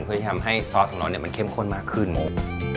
เพื่อจะทำให้ซอสของเรามันเข้มข้นมากขึ้นหมด